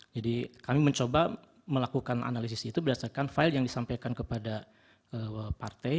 jadi kami mencoba melakukan analisis itu berdasarkan file yang disampaikan kepada partai